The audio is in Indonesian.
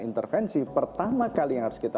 intervensi pertama kali yang harus kita